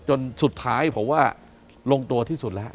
จนสุดท้ายผมว่าลงตัวที่สุดแล้ว